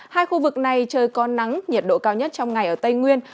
hai khu vực này trời có nắng nhiệt độ cao nhất trong ngày ở tây nguyên